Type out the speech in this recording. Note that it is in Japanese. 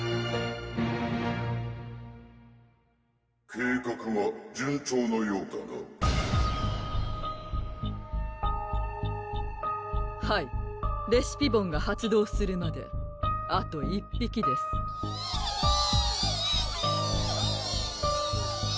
計画は順調のようだなはいレシピボンが発動するまであと１匹ですピピー！